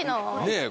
ねえ！